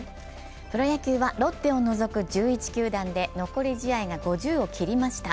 プロ野球はロッテを除く１１球団で残り試合が５０を切りました。